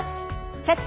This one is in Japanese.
「キャッチ！